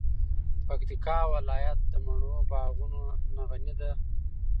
پکتیکا ولایت د مڼو د باغونو نه غنی ده.